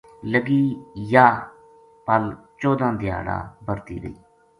لگی یاہ پل چودہ دھیارہ برہتی رہی